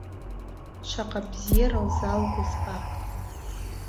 Шаҟа бзиара лзалго збап.